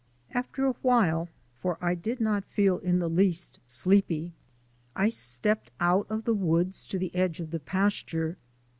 After a while, for I did not feel in the least sleepy, I stepped out of the woods to the edge of the pasture.